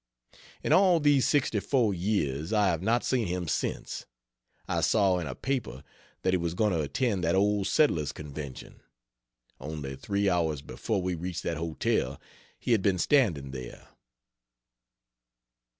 In all these sixty four years I have not seen him since. I saw in a paper that he was going to attend that Old Settlers' Convention. Only three hours before we reached that hotel, he had been standing there!"